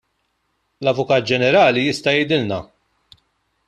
L-Avukat Ġenerali jista' jgħidilna.